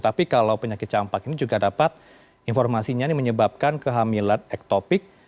tapi kalau penyakit campak ini juga dapat informasinya ini menyebabkan kehamilan ektopik